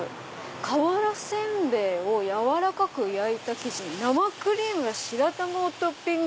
「瓦せんべいをやわらかく焼いた生地に生クリームや白玉をトッピング」。